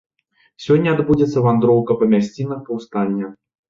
Сёння адбудзецца вандроўка па мясцінах паўстання.